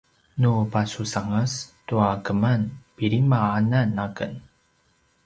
nu pasusangas tua keman pilima anan aken